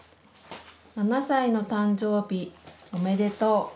７歳の誕生日おめでとう。